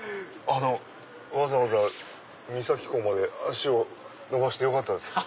わざわざ三崎港まで足を延ばしてよかったです。